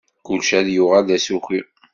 Kullec ad yuɣal d asuki.